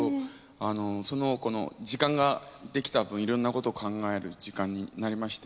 あの時間ができた分いろんなことを考える時間になりまして。